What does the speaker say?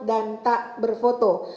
dan tak berfoto